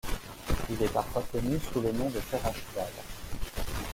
Il est parfois connu sous le nom de Fer à cheval.